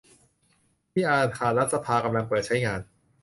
ที่อาคารรัฐสภากำลังเปิดใช้งาน